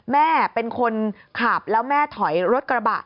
แม่เป็นคนขับแล้วแม่ถอยรถกระบะ